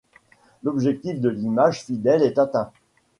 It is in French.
L'objectif de l'image fidèle est atteint.